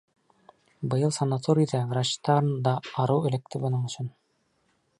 Быйыл санаторийҙә врачтан да арыу эләкте бының өсөн.